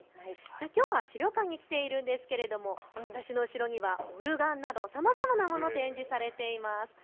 きょうは資料館に来ているんですが私の後ろにはオルガンなどさまざまなものが展示されています。